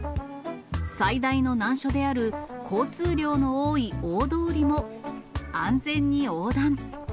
最大の難所である、交通量の多い大通りも、安全に横断。